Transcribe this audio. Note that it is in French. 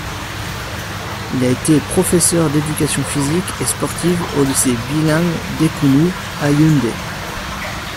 Il a été professeur d’éducation physique et sportive au lycée bilingue d’Ekounou à Yaoundé.